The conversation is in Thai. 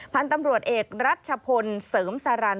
พันธุ์ตำรวจเอกรัชพลเสริมสารัน